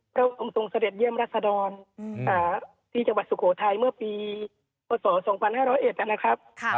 เพราะเราตรงสเต็ดเยี่ยมรัฐศรรณสถาที่จังหวัดสุโขทัยเมื่อปีปศ๒๕๐๑นะครับ